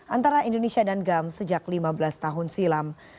antara indonesia dan gam sejak lima belas tahun silam